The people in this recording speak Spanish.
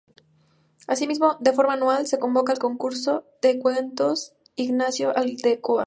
Asimismo, de forma anual, se convoca el Concurso de cuentos "Ignacio Aldecoa".